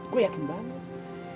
gue yakin banget